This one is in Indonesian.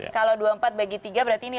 kalau dua puluh empat bagi tiga berarti ini